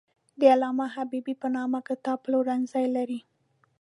د علامه حبیبي په نامه کتاب پلورنځی لري.